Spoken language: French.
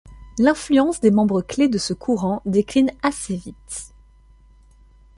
L’influence des membres clés de ce courant décline assez vite.